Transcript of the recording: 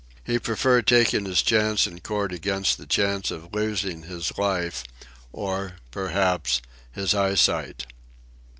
He preferred taking his chance in court against the chance of losing his life, or, perhaps, his eyesight.